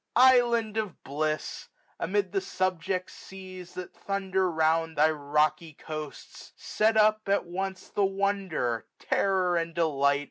Island of bliss ! amid the subject seas. That thunder round thy rocky coasts, set up, 1595 At once the wonder, terror, and delight.